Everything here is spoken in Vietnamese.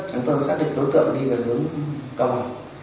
chúng tôi đã xác định đối tượng đi về hướng cao bằng